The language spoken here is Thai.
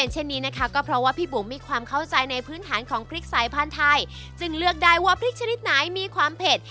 จึงเลือกได้ว่าพริกชนิดไหนมีความเผ็ด